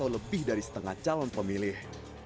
lebih dari setengah calon pemilih